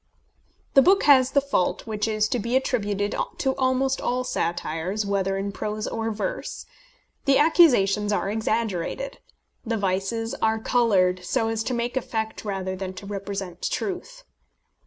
The book has the fault which is to be attributed to almost all satires, whether in prose or verse. The accusations are exaggerated. The vices are coloured, so as to make effect rather than to represent truth.